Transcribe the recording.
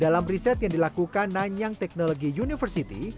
dalam riset yang dilakukan nanyang technology university